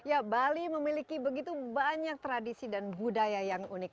ya bali memiliki begitu banyak tradisi dan budaya yang unik